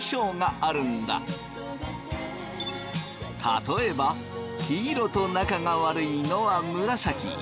例えば黄色と仲が悪いのは紫。